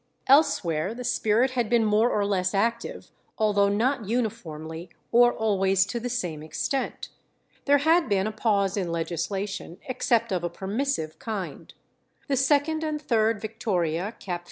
Elsewhere the spirit had been more or less active, although not uniformly or always to the same extent. There had been a pause in legislation, except of a permissive kind. The 2nd and 3rd Victoria, cap.